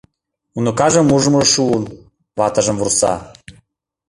Уныкажым ужмыжо шуын, — ватыжым вурса.